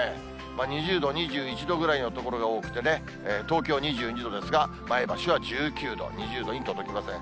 ２０度、２１度ぐらいの所が多くてね、東京２２度ですが、前橋は１９度、２０度に届きません。